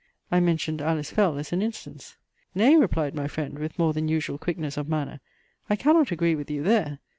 I mentioned Alice Fell as an instance; "Nay," replied my friend with more than usual quickness of manner, "I cannot agree with you there!